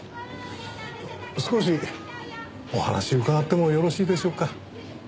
少しお話を伺ってもよろしいでしょうか？